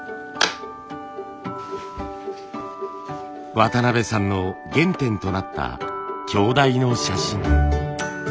渡邊さんの原点となった鏡台の写真。